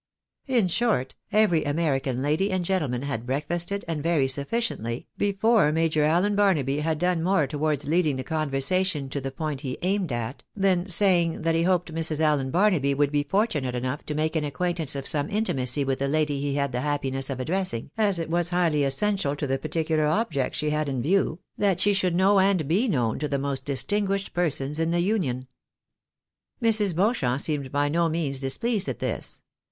In short, every American lady and gentleman had breakfasted, and very sufficiently, before Major AUen Barnaby had done more towards leading the conversation to the point he aimed at, than saying that he hoped Mrs. Allen Barnaby would be fortunate enough to make an acquaintance of some intimacy with the lady he had the happi ness of addressing, as it was highly essential to the particular objects she had in view, that she should know and be known to the most distinguished persons in the Union. Mrs. Beauchamp seemed by no means displeased at this.